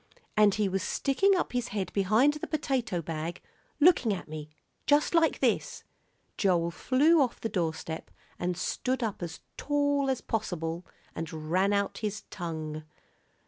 "And he was sticking up his head behind the potato bag, looking at me just like this." Joel flew off the doorstep and stood up as tall as possible and ran out his tongue.